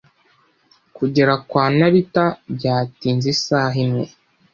Kugera kwa Narita byatinze isaha imwe.